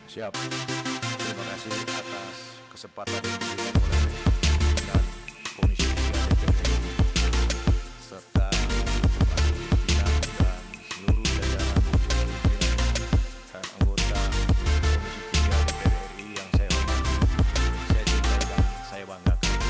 siap terima kasih atas kesempatan yang diberikan oleh dengan komisi tiga dpr ri serta pak mdjeng dan seluruh jajaran dan anggota komisi tiga dpr ri yang saya hormati saya cinta dan saya bangga